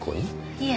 いえ。